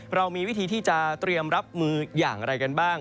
เรามีวิธีที่จะเตรียมรับมืออย่างไรกันบ้าง